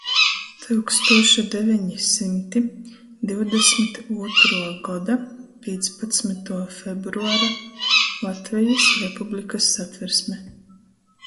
Tyukstūša deveni symti divdesmyt ūtruo goda pīcpadsmytuo februara Latvejis Republikys Satversme.